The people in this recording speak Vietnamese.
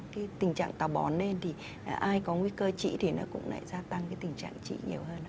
cái tình trạng tào bón lên thì ai có nguy cơ trĩ thì nó cũng lại gia tăng cái tình trạng trĩ nhiều hơn ạ